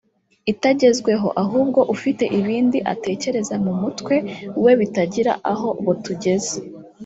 itagezweho ahubwo ufite ibindi atekereza mu mutwe we bitagira aho botugeza